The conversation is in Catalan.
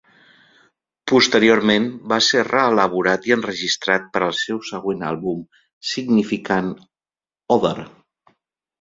Posteriorment va ser reelaborat i enregistrat per al seu següent àlbum, "Significant Other".